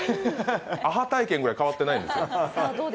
アハ体験ぐらい変わってないですか。